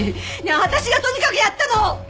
ねえ私がとにかくやったの！